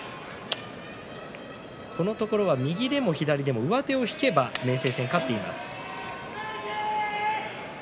このところは右でも左でも上手を引けば明生戦、勝っています。